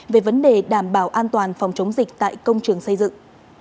về vấn đề đảm bảo an toàn phòng chống dịch tại công trường xây dựng